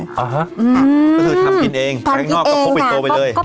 ก็คือทำกินเองไปข้างนอกก็พกปินโต้ไปเลย